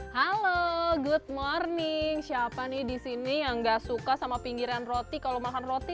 halo good morning siapa nih di sini yang nggak suka sama pinggiran roti kalau makan roti